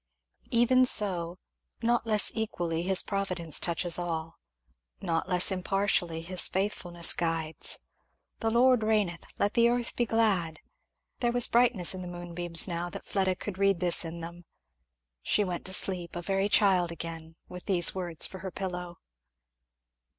Even so! Not less equally his providence touches all, not less impartially his faithfulness guides. "The Lord reigneth! let the earth be glad!" There was brightness in the moonbeams now that Fleda could read this in them; she went to sleep, a very child again, with these words for her pillow.